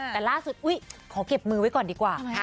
แต่ล่าสุดขอเก็บมือไว้ก่อนดีกว่า